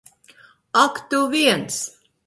Ak tu viens!